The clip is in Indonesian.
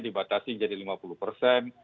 dibatasi jadi lima puluh persen